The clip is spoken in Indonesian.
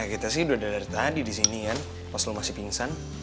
ya kita sih udah dari tadi disini ian pas lu masih pingsan